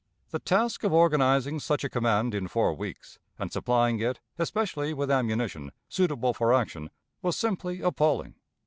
The task of organizing such a command in four weeks, and supplying it, especially with ammunition, suitable for action, was simply appalling.